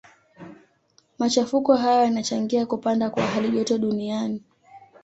Machafuko hayo yanachangia kupanda kwa halijoto duniani.